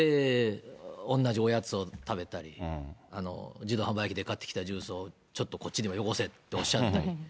同じおやつを食べたり、自動販売機で買ってきたジュースをちょっとこっちでもよこせっておっしゃったり。